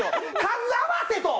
数合わせと！